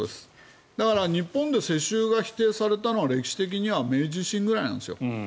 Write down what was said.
だから、日本で世襲が否定されたのは歴史的には明治維新くらいなんですよ。